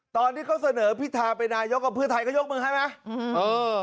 ตอนที่เขาเสนอพิธาเป็นนายกกับเพื่อไทยก็ยกมือให้ไหม